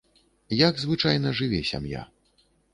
Як звычайна жыве сям'я?